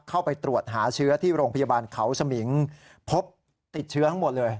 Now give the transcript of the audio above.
เข้าไปตรวจหาเชื้อที่โรงพยาบาลเขาสมิงพบติดเชื้อทั้งหมดเลย